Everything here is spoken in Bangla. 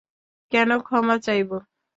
কেন ক্ষমা চাইব?